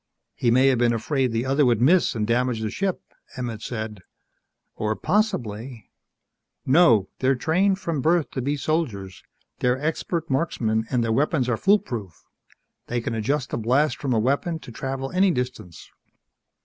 "He may have been afraid the other would miss and damage the ship," Emmett said. "Or possibly " "No. They're trained from birth to be soldiers. They're expert marksmen and their weapons are foolproof. They can adjust the blast from a weapon to travel any distance."